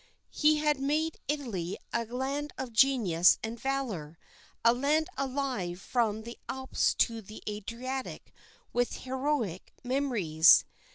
He had made Italy a land of genius and valour, a land alive from the Alps to the Adriatic with heroic memories.